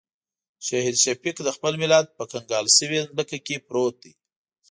شهید شفیق د خپل ملت په کنګال شوې ځمکه کې پروت دی.